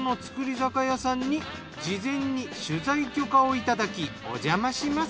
酒屋さんに事前に取材許可をいただきおじゃまします。